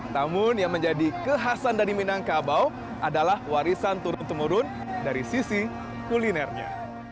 namun yang menjadi kekhasan dari minangkabau adalah warisan turun temurun dari sisi kulinernya